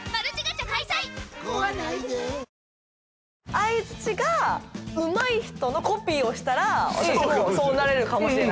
相づちがうまい人のコピーをしたら私もそうなれるかもしれない？